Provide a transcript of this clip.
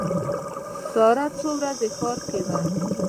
ساره څو ورځې ښار کې وه.